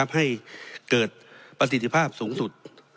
ให้เกิดปฏิเสธภาพสูงสุด